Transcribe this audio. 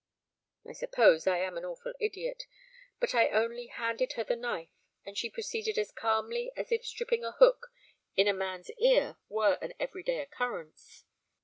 I suppose I am an awful idiot, but I only handed her the knife, and she proceeded as calmly as if stripping a hook in a man's ear were an everyday occurrence.